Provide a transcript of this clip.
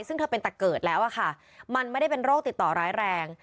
ซึ่งเธอเป็นตะเกิดแล้วอะค่ะมันไม่ได้เป็นโรคติดต่อร้ายแรง